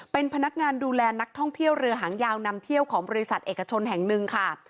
เป็นพนักงานดูแลนักท่องเที่ยวเรือหางยาวนำเที่ยวของบริษัทเอกชนแห่งหนึ่งค่ะ